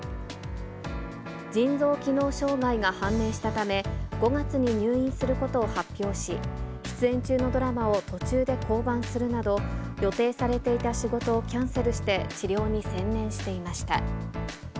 腎臓機能障害が判明したため、５月に入院することを発表し、出演中のドラマを途中で降板するなど、予定されていた仕事をキャンセルして治療に専念していました。